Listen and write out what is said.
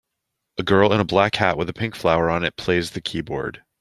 A girl in a black hat with a pink flower on it plays the keyboard.